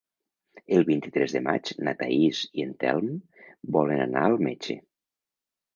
El vint-i-tres de maig na Thaís i en Telm volen anar al metge.